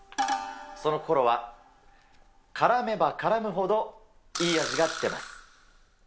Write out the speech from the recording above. その心は、からめばからむほど、いい味が出ます。